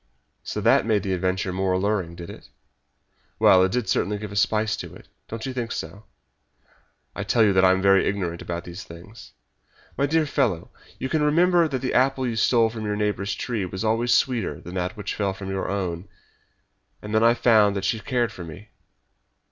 So that made the adventure more alluring, did it?" "Well, it did certainly give a spice to it. Don't you think so?" "I tell you that I am very ignorant about these things." "My dear fellow, you can remember that the apple you stole from your neighbour's tree was always sweeter than that which fell from your own. And then I found that she cared for me."